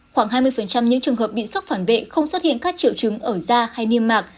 khoảng hai mươi những trường hợp bị sốc phản vệ không xuất hiện các triệu chứng ở da hay niêm mạc